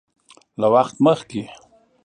له وخت مخکې